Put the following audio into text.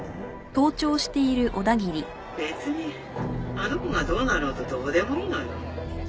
別にあの子がどうなろうとどうでもいいのよ。